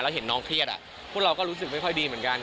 เห็นน้องเครียดพวกเราก็รู้สึกไม่ค่อยดีเหมือนกัน